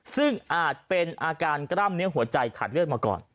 ซึ่งอาจเป็นอาการกล้ามเนื้อหัวใจขาดเลือดมาก่อน